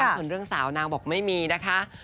ส่วนเรื่องสาวนางบอกไม่มีนะคะ